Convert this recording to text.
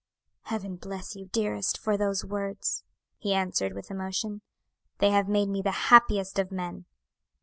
"Heaven bless you, dearest, for these words," he answered with emotion, "they have made me the happiest of men."